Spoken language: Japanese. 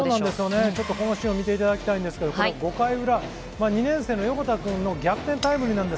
このシーンを見ていただきたいんですが、５回裏、２年生の横田君の逆転タイムリー。